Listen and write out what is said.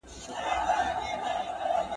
• يوې خواته پاڼ دئ، بلي خواته پړانگ دئ.